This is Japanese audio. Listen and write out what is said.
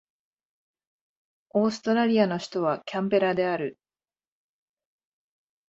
オーストラリアの首都はキャンベラである